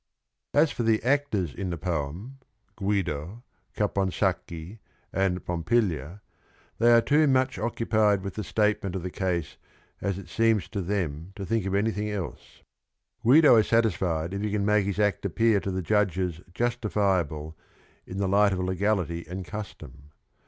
As for the actors in the poem, — Guido, Capon sacchi, and Pompilia, — they are too much occu pied with the statement of the case as it seems to them to think of anything else. Guido is satisfied if he can make his act appear to the judges justifi able in the light of legality and custom.